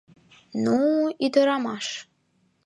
Ну, ӱдырамаш!